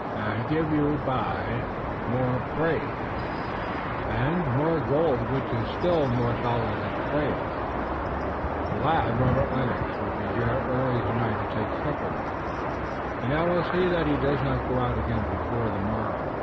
Now I gif you by und by more praise und more gold which iss still more solid than praise. The lad, Robert Lennox, will be here early tonight to take supper with me, und I will see that he does not go out again before the morrow.